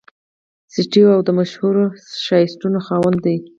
سټیو وا د مشهور شاټسونو خاوند دئ.